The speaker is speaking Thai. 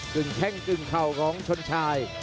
ึ่งแข้งกึ่งเข่าของชนชาย